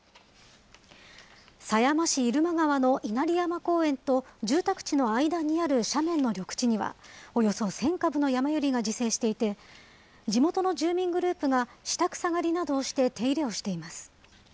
狭山市入間川の稲荷山公園と住宅地の間にある斜面の緑地には、およそ１０００株のヤマユリが自生していて、地元の住民グループが下草刈りなどをして手入れをしています。